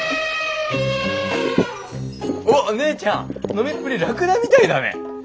おっ姉ちゃん飲みっぷりラクダみたいだね。